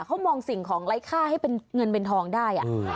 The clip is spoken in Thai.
เขามองสิ่งของไร้ค่าให้เป็นเงินเป็นทองได้